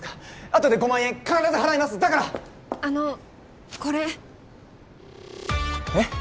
あとで５万円必ず払いますだからあのこれえっ？